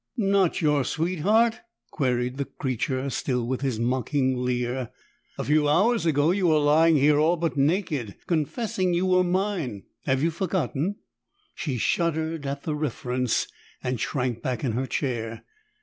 "Not your sweetheart?" queried the creature, still with his mocking leer. "A few hours ago you were lying here all but naked, confessing you were mine. Have you forgotten?" She shuddered at the reference, and shrank back in her chair.